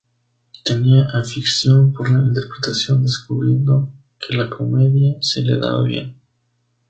Tenía afición por la interpretación, descubriendo que la comedia se le daba bien.